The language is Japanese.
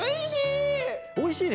おいしい！